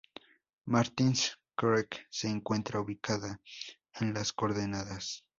Martins Creek se encuentra ubicada en las coordenadas